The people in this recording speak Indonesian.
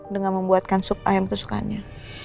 dengan membuatkan sup ayam kesukaannya